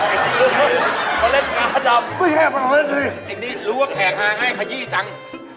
ไอ้นี่ล้วงแขกหาง่ายขยี้จัง